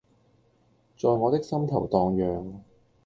在我的心頭蕩漾